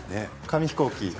紙飛行機。